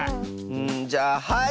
んじゃあはい！